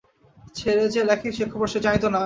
ছেলে যে লেখে, সে খবর সে জানিত না।